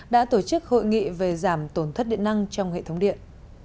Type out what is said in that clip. đã tổ chức hội nghị về giảm tổn thất điện năng trong hệ thống điện